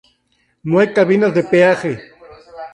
No hay cabinas de peaje.